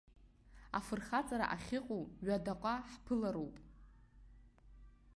Афырхаҵара ахьыҟоу ҩадаҟа ҳԥырлароуп.